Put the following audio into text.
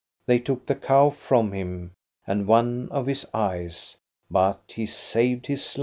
They took the cow from him and one of his eyes, but he saved his life.